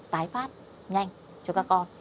tái phát nhanh cho các con